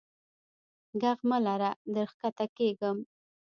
ږغ مه لره در کښته کیږم.